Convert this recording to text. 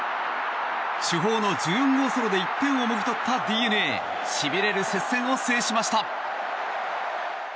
主砲の１４号ソロで１点をもぎ取ったＤｅＮＡしびれる接戦を制しました。